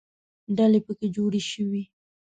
ډلې پکې جوړې شوې.